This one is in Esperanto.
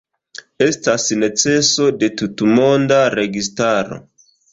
Estas neceso de tutmonda registaro.